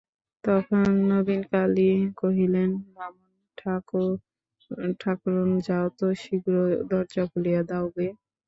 তখন নবীনকালী কহিলেন, বামুন-ঠাকরুন, যাও তো, শীঘ্র দরজা খুলিয়া দাও গে।